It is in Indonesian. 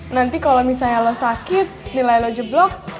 nanti kalau misalnya lo sakit nilai lo jeblok